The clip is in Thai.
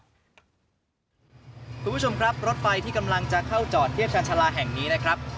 คุณผู้ชมครับรถไฟที่กำลังจะเข้าจอดเทียบชาญชาลาแห่งนี้นะครับ